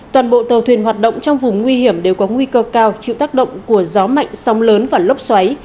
toàn bộ tàu thuyền hoạt động trong vùng nguy hiểm đều có nguy cơ cao chịu tác động của gió mạnh sóng lớn và lốc xoáy